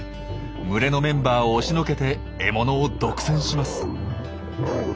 群れのメンバーを押しのけて獲物を独占します。